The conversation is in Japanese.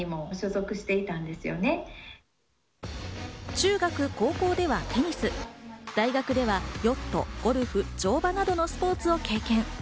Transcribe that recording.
中学・高校ではテニス、大学ではヨット、ゴルフ、乗馬などのスポーツを経験。